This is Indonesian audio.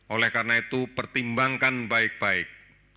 oleh karena itu pertimbangkan baik baik